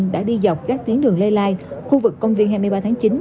đã đi dọc các tiến đường lây lai khu vực công viên hai mươi ba tháng chín